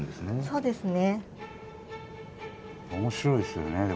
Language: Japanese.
そうですね。